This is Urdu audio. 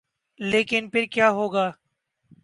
لیکن پھر کیا ہو گا؟